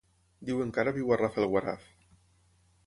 Diuen que ara viu a Rafelguaraf.